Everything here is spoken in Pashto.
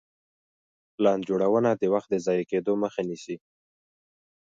پلان جوړونه د وخت د ضايع کيدو مخه نيسي.